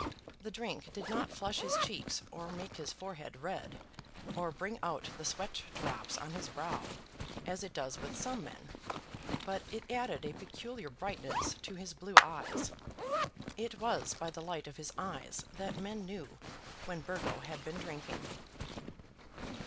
The drink did not flush his cheeks or make his forehead red, or bring out the sweat drops on his brow, as it does with some men; but it added a peculiar brightness to his blue eyes. It was by the light of his eyes that men knew when Burgo had been drinking.